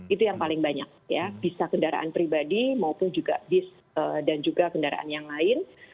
itu yang paling banyak ya bisa kendaraan pribadi maupun juga bis dan juga kendaraan yang lain